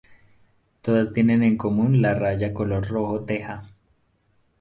Todas tienen en común la raya color rojo teja.